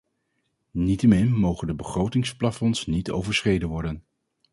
Niettemin mogen de begrotingsplafonds niet overschreden worden.